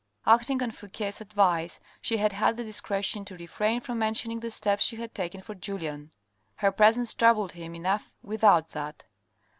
Acting on Fouque's advice, she had had the discretion to refrain from mentioning the steps she had taken for Julien. Her presence troubled him enough without that.